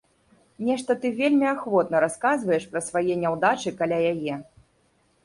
Нешта ты вельмі ахвотна расказваеш пра свае няўдачы каля яе.